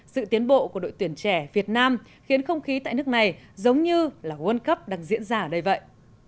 sự tiến bộ của đội tuyển trẻ việt nam khiến không khí tại nước này giống như là world cup đang diễn ra ở đây vậy